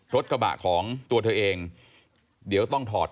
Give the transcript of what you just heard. รถกระบะของตัวเธอเองเดี๋ยวต้องถอด